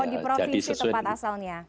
di provinsi tempat asalnya